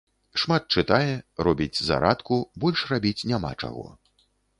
Шмат чытае, робіць зарадку, больш рабіць няма чаго.